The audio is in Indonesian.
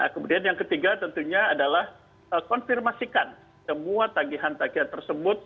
kemudian yang ketiga tentunya adalah konfirmasikan semua tagihan tagihan tersebut